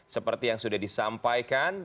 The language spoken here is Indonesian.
seperti yang sudah disampaikan